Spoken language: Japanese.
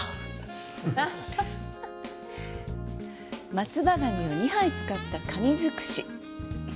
松葉ガニを２杯使ったカニ尽くし。